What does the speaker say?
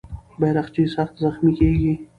بیرغچی سخت زخمي کېږي.